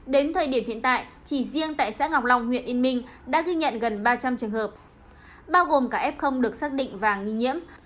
đến thời điểm hiện tại chỉ riêng tại xã ngọc long huyện yên minh đã ghi nhận gần ba trăm linh trường hợp bao gồm cả f được xác định và nghi nhiễm